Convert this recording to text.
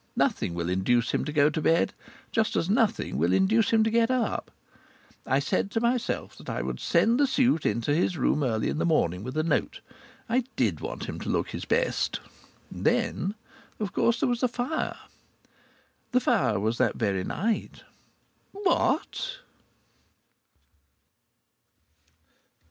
Nothing will induce him to go to bed, just as nothing will induce him to get up. I said to myself I would send the suit into his room early in the morning with a note. I did want him to look his best. And then of course there was the fire. The fire was that very night. What?...